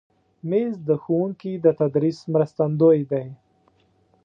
مېز د ښوونکي د تدریس مرستندوی دی.